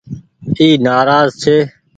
اي نآراز ڇي۔